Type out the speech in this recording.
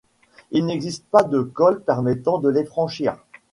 Il n'existe pas de col permettant de les franchir.